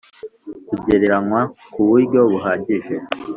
kugereranywa ku buryo buhagije